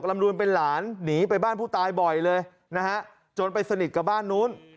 ลำนูนเป็นหลานหนีไปบ้านผู้ตายบ่อยเลยนะฮะจนไปสนิทกับบ้านนู้น